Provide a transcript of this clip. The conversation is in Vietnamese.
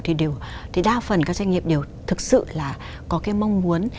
thì đều thì đa phần các doanh nghiệp đều thực sự là có cái mong muốn